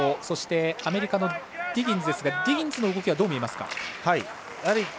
そしてアメリカのディギンズの動きはどう見ますか？